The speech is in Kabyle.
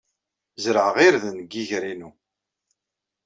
Zerɛeɣ irden deg yiger-inu.